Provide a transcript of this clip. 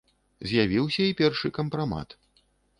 З'явіўся і першы кампрамат.